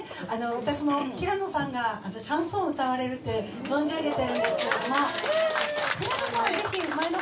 私も平野さんがシャンソンを歌われるって存じ上げてるんですけれども。